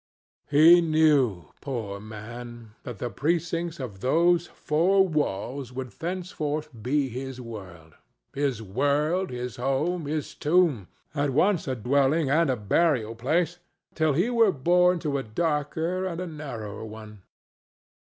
He knew, poor man! that the precincts of those four walls would thenceforth be his world—his world, his home, his tomb, at once a dwelling and a burial place—till he were borne to a darker and a narrower one.